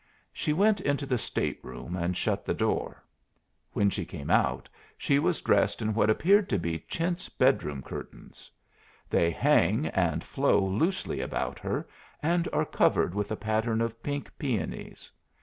She went into the state room and shut the door. When she came out she was dressed in what appeared to be chintz bedroom curtains. They hang and flow loosely about her, and are covered with a pattern of pink peonies.